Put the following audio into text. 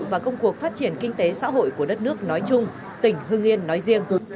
và công cuộc phát triển kinh tế xã hội của đất nước nói chung tỉnh hưng yên nói riêng